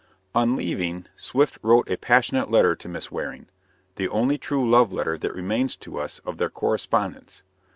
On leaving, Swift wrote a passionate letter to Miss Waring the only true love letter that remains to us of their correspondence.